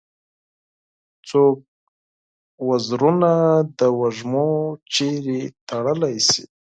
څوک وزرونه د وږمو چیري تړلای شي؟